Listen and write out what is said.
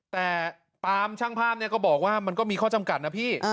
แต่ปามช่างภาพเนี่ยก็บอกว่ามันก็มีข้อจำกัดนะพี่